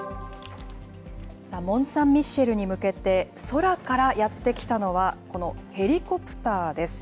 モンサンミシェルに向けて、空からやって来たのは、このヘリコプターです。